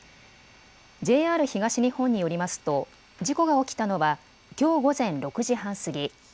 ＪＲ東日本によりますと事故が起きたのはきょう午前６時半過ぎ。